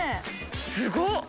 すごっ！